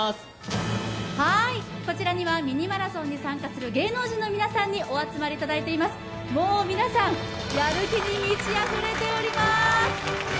こちらには「ミニマラソン」に参加する芸能人の皆さんにお集まりいただいています、もう皆さんやる気に満ちあふれております。